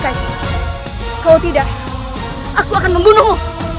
kalau tidak aku akan membunuhmu